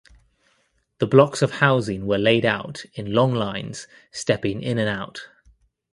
The blocks of housing were laid out in long lines stepping in and out.